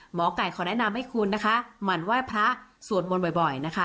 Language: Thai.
หมอไก่ขอแนะนำให้คุณนะคะหมั่นไหว้พระสวดมนต์บ่อยนะคะ